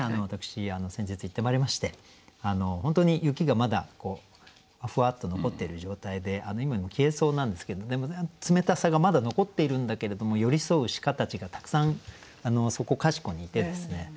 私先日行ってまいりまして本当に雪がまだふわっと残ってる状態で今にも消えそうなんですけどでも冷たさがまだ残っているんだけれども寄り添う鹿たちがたくさんそこかしこにいてですね